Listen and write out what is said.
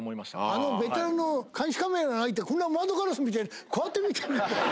あのベテランの監視カメラないってこんな窓ガラスみたいにこうやって見てる。